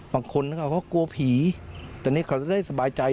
บางคนเขากลัวผีแต่นี่เขาจะได้สบายใจ